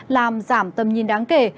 làm giảm tầm nhìn đáng kể